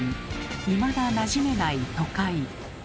いまだなじめない都会。